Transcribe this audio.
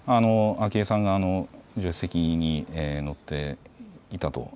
昭恵さんが助手席に乗っていたと。